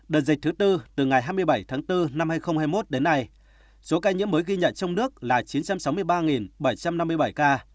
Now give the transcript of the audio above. đợt dịch thứ tư từ ngày hai mươi bảy tháng bốn năm hai nghìn hai mươi một đến nay số ca nhiễm mới ghi nhận trong nước là chín trăm sáu mươi ba bảy trăm năm mươi bảy ca